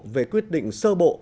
về quyết định sơ bộ